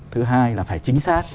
thứ hai là phải chính xác